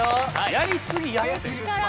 やりすぎやって激辛！